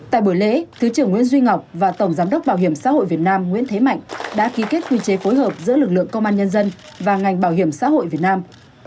tại buổi lễ thứ trưởng nguyễn duy ngọc và tổng giám đốc bảo hiểm xã hội việt nam nguyễn thế mạnh đã ký kết quy chế phối hợp giữa lực lượng công an nhân dân và ngành bảo hiểm xã hội việt nam